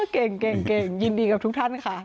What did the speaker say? เก่งยินดีกับทุกท่านค่ะ